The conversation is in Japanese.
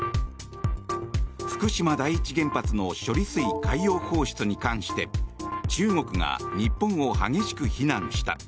福島第一原発の処理水海洋放出に関して中国が日本を激しく非難した。